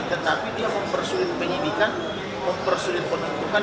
tetapi dia mempersulit penyidikan mempersulit penuntukan